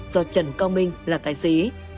do trần cao minh là tài xế